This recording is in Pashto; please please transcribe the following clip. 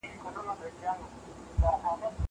زه هره ورځ کتابونه ليکم..